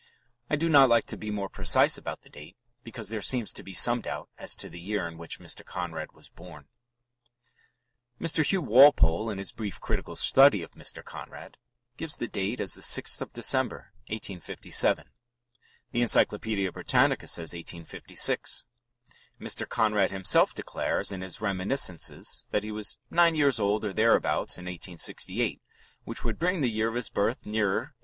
I do not like to be more precise about the date, because there seems to be some doubt as to the year in which Mr. Conrad was born. Mr. Hugh Walpole, in his brief critical study of Mr. Conrad, gives the date as the 6th of December, 1857; the Encyclopaedia Britannica says 1856; Mr. Conrad himself declares in his reminiscences that he was "nine years old or thereabouts" in 1868, which would bring the year of his birth nearer 1859.